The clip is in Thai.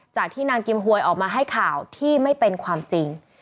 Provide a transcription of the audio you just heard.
จากที่นางกิมหวยออกมาให้ข่าวที่ไม่เป็นความจริง